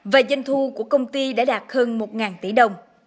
và doanh thu của công ty đã đạt hơn một tỷ đồng